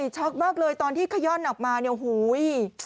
ช็อกมากเลยตอนที่ขย่อนออกมาเนี่ยหูย